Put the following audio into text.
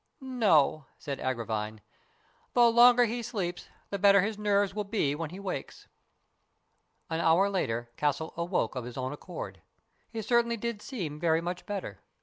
" No," said Agravine. " The longer he sleeps, the better his nerves will be when he wakes." An hour later Castle awoke of his own accord. He certainly did seem very much better.